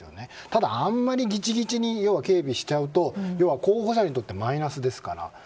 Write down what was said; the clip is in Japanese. ただ、あまりぎちぎちに警備しちゃうと要は候補者にとってマイナスですから。